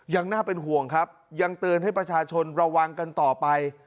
ยังน่าเป็นห่วงครับยังเตือนให้ประชาชนระวังกันต่อไป